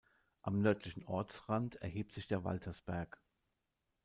Am nördlichen Ortsrand erhebt sich der Waltersberg.